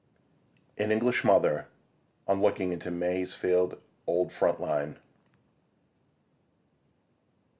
AN ENGLISH MOTHER, ON LOOKING INTO MASEFIELD'S "OLD FRONT LINE."